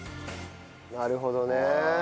なるほどね。